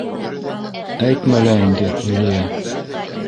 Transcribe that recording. — Әйтмә лә инде, Юлия.